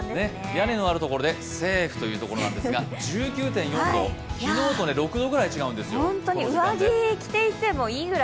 屋根のあるところでセーフというところですが、１９．４度、昨日と６度くらい違うんですよ